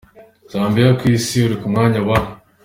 Zambie : ku isi iri ku mwanya wa .